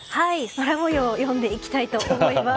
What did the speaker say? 空模様を読んでいきたいと思います。